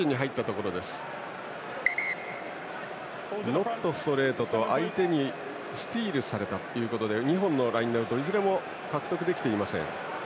ノットストレートと相手にスティールされたことで２本のラインアウトいずれも獲得できていません。